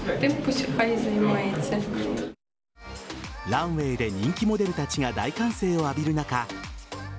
ランウェイで人気モデルたちが大歓声を浴びる中